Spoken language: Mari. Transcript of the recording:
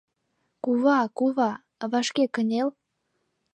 Кува, кува, вашке кынел!